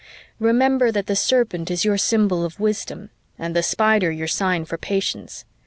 "Remember that the Serpent is your symbol of wisdom and the Spider your sign for patience.